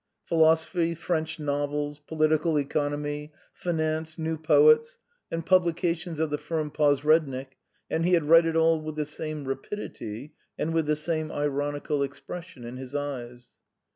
Philosophy, French novels, political economy, finance, new poets, and publications of the firm Posrednik and he read it all with the same rapidity and with the same ironical expression in his eyes.